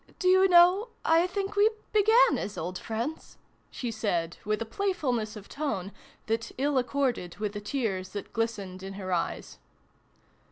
Do you know, I think we began as old friends ?" she said with a play fulness of tone that ill accorded with the tears that glistened in her eyes.